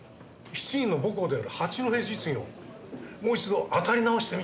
７人の母校である八戸実業もう一度当たり直してみたんですよ